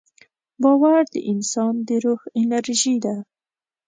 باور د انسان د روح انرژي ده.